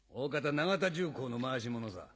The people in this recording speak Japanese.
永田重工の回し者さ。